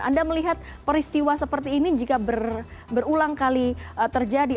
anda melihat peristiwa seperti ini jika berulang kali terjadi